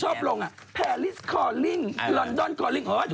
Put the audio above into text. ฉันไปมาทุกปีนะหัวหิน